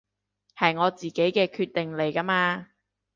係我自己嘅決定嚟㗎嘛